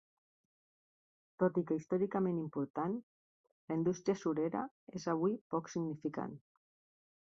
Tot i que històricament important, la indústria surera és avui poc significant.